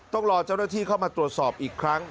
ต้องรอเจ้าหน้าที่เข้ามาตรวจสอบอีกครั้ง